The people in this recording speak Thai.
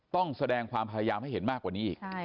ต้องแสดงความพยายามให้เห็นมากกว่านี้อีก